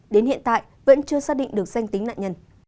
đến hiện tại vẫn chưa xác định được danh tính nạn nhân